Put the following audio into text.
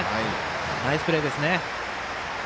ナイスプレーですね。